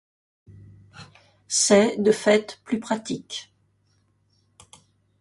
C'est, de fait, plus pratique.